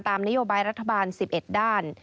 นโยบายรัฐบาล๑๑ด้าน